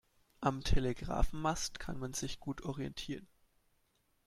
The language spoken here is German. Am Telegrafenmast kann man sich gut orientieren.